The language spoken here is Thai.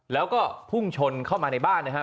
แล้วก็พุ่งชนเข้ามาในบ้านนะครับ